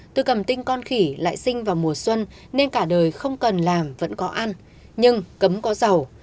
tôi cầm tinh con khỉ lại sinh vào mùa xuân nên cả đời không cần làm vẫn có ăn nhưng cấm có giàu